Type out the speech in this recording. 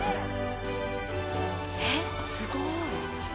えっ、すごい。